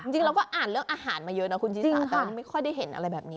จริงเราก็อ่านเรื่องอาหารมาเยอะนะคุณชิสาแต่มันไม่ค่อยได้เห็นอะไรแบบนี้